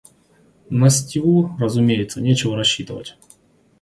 На Стиву, разумеется, нечего рассчитывать.